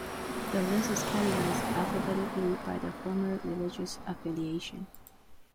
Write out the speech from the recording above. The list is categorized alphabetically by their former religious affiliation.